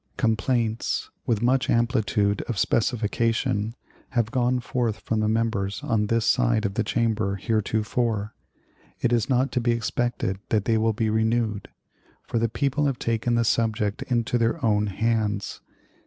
Complaints, with much amplitude of specification, have gone forth from the members on this side of the Chamber heretofore. It is not to be expected that they will be renewed, for the people have taken the subject into their own hands.